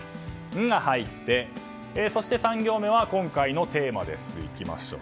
「ン」が入って３行目は今回のテーマです。